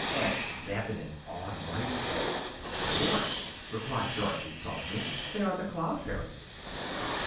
asked Zeb, in an awed voice. "Of course," replied Dorothy, softly. "They are the Cloud Fairies."